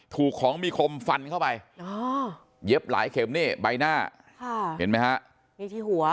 ถูกของมีโครมฟันเข้าไปเย็บหลายเข็มนี่ใบหน้าเห็นไหมคะ